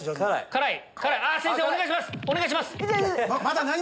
辛い？